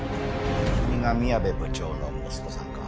君が宮部部長の息子さんか。